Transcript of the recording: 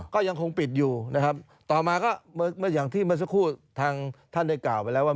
ก็ยังคงปิดอยู่นะครับต่อมาก็เมื่ออย่างที่เมื่อสักครู่ทางท่านได้กล่าวไปแล้วว่า